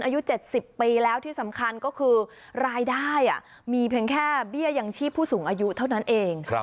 อายุ๗๐ปีแล้วที่สำคัญก็คือรายได้มีเพียงแค่เบี้ยยังชีพผู้สูงอายุเท่านั้นเอง